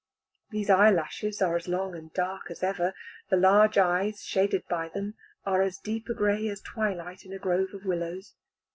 These eyelashes are as long and dark as ever; the large eyes, shaded by them, are as deep a gray as twilight in a grove of willows.